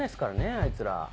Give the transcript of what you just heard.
あいつら。